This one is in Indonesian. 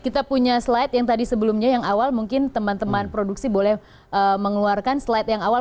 kita punya slide yang tadi sebelumnya yang awal mungkin teman teman produksi boleh mengeluarkan slide yang awal